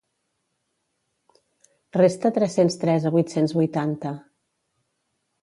Resta tres-cents tres a vuit-cents vuitanta.